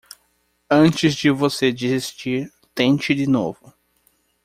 Antes de você desistir, tente de novo